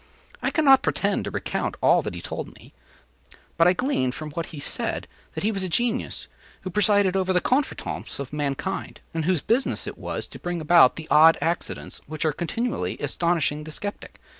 I cannot pretend to recount all that he told me, but I gleaned from what he said that he was the genius who presided over the contretemps of mankind, and whose business it was to bring about the odd accidents which are continually astonishing the skeptic.